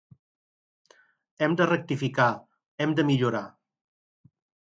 Hem de rectificar, hem de millorar.